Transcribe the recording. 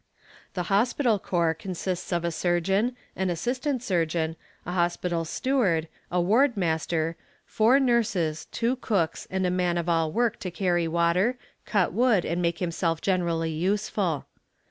The hospital corps consists of a surgeon, an assistant surgeon, a hospital steward, a ward master, four nurses, two cooks, and a man of all work to carry water, cut wood, and make himself generally useful.